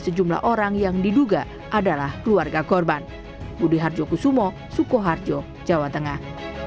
sejumlah orang yang diduga adalah keluarga korban budi harjo kusumo sukoharjo jawa tengah